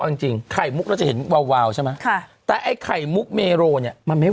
เอาจริงจริงไข่มุกเราจะเห็นวาววาวใช่ไหมค่ะแต่ไอ้ไข่มุกเมโรเนี่ยมันไม่